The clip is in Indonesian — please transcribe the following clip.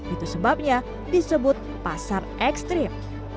itu sebabnya disebut pasar ekstrim